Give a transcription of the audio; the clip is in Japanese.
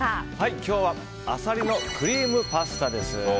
今日はアサリのクリームパスタです。